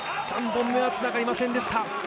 ３本目はつながりませんでした。